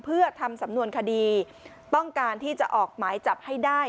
เพื่อทำสำนวนคดีต้องการที่จะออกหมายจับให้ได้